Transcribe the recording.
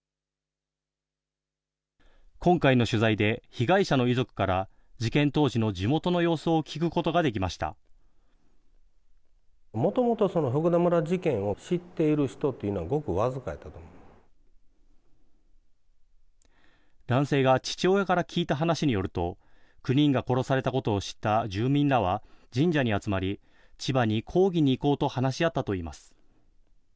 今回の取材で、被害者の遺族から、事件当時の地元の様子を聞男性が父親から聞いた話によると、９人が殺されたことを知った住民らは神社に集まり、千葉に抗議に行こうと話し合ったといいます。